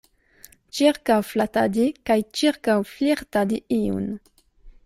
Ĉirkaŭflatadi kaj ĉirkaŭflirtadi iun.